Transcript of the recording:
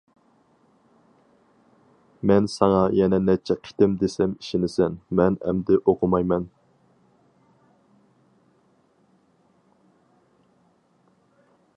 - مەن ساڭا يەنە نەچچە قېتىم دېسەم ئىشىنىسەن؟ مەن ئەمدى ئوقۇمايمەن.